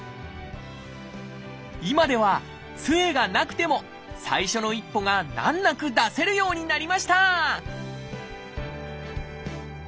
今ではつえがなくても最初の一歩が難なく出せるようになりました！